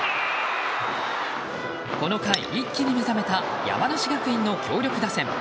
この回、一気に目覚めた山梨学院の強力打線。